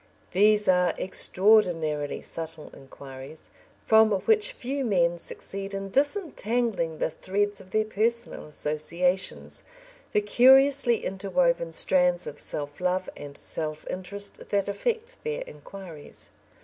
These are extraordinarily subtle inquiries, from which few men succeed in disentangling the threads of their personal associations the curiously interwoven strands of self love and self interest that affect their inquiries.